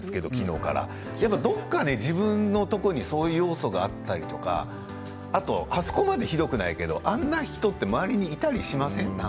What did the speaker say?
きのうからどこかで自分のところにそういう要素があったりとかあそこまでひどくないけどあんな人って周りにいたりしません？